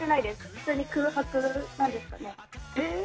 普通に空白なんですかね。